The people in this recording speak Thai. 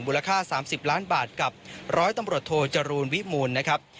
มูลค่าสามสิบล้านบาทกับร้อยตำบรรดธจรีโนวิมูลนะครับ